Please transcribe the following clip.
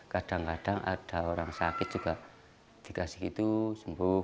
kadang kadang ada orang sakit juga dikasih gitu sembuh